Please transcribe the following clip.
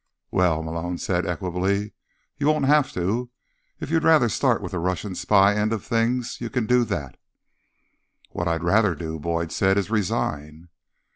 "Well," Malone said equably, "you won't have to. If you'd rather start with the Russian spy end of things, you can do that." "What I'd rather do," Boyd said, "is resign."